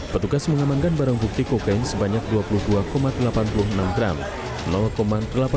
petugas mengamankan barang bukti kokain sebanyak dua puluh dua delapan puluh enam gram